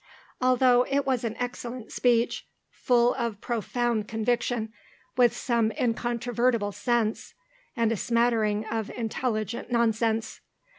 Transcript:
Altogether it was an excellent speech, full of profound conviction, with some incontrovertible sense, and a smattering of intelligent nonsense.